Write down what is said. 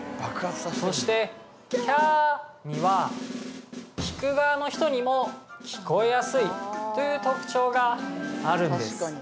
そして「キャー」には聞く側の人にも聞こえやすいという特徴があるんです